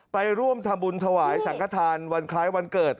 ไปร่วมทำบุญถวายสังขทานวันคล้ายวันเกิด